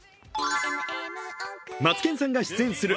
マツケンさんが出演する